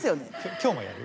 今日もやる？